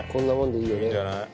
いいんじゃない？